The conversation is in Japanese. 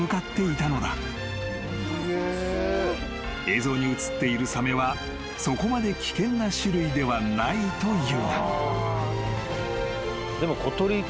［映像に映っているサメはそこまで危険な種類ではないというが］